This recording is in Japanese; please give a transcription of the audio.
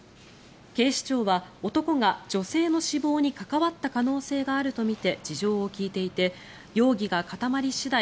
警視庁は男が女性の死亡に関わった可能性があるとみて事情を聴いていて容疑が固まり次第